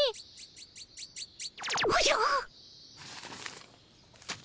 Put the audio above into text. おじゃっ。